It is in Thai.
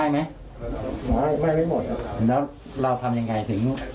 ก็เผาเผาไหม